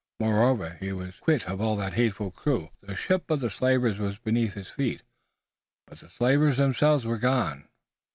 Moreover, he was quit of all that hateful crew. The ship of the slavers was beneath his feet, but the slavers themselves were gone.